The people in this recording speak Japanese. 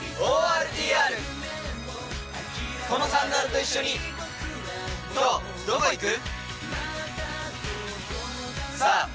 このサンダルと一緒に今日どこ行く？